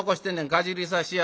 かじりさしや。